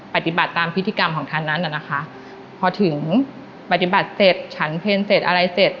ปฏิบัติตามพิธีกรรมของท่านนั้นน่ะนะคะพอถึงปฏิบัติเสร็จฉันเพลงเสร็จอะไรเสร็จ